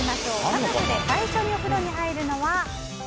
家族で一番最初にお風呂に入るのは。